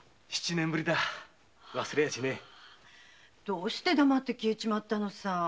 どうして黙って消えたのさ！